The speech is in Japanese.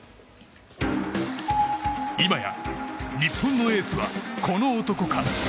今や日本のエースはこの男か。